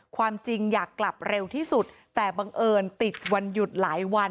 ความจริงอยากกลับเร็วที่สุดแต่บังเอิญติดวันหยุดหลายวัน